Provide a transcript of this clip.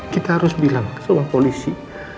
kita harus bilang ke semua polisi